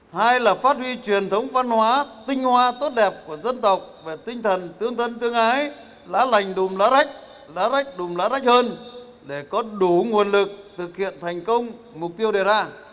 hai là phát huy truyền thống văn hóa tinh hoa tốt đẹp của dân tộc và tinh thần tương thân tương ái lá lành đùm lá rách lá rách đùm lá rách hơn để có đủ nguồn lực thực hiện thành công mục tiêu đề ra